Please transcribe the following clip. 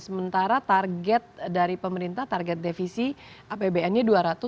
sementara target dari pemerintah target devisi apbn nya dua ratus sembilan puluh enam